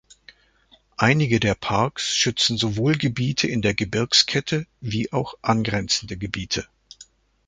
Einige der Parks schützen sowohl Gebiete in der Gebirgskette wie auch angrenzende Gebiete.